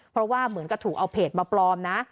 เพราะว่าเหมือนกับถูกเอาเพจมาปลอมนะ